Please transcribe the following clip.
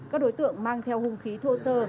các đối tượng mang theo hung khí thô sơ